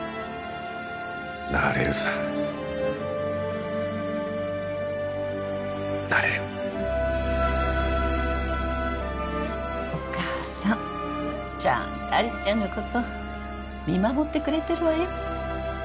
なれるさなれるお母さんちゃんと有栖ちゃんのこと見守ってくれてるわよ